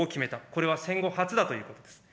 これは戦後初だということです。